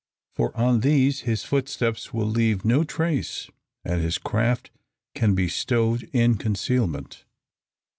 For on these his footsteps will leave no trace, and his craft can be stowed in concealment.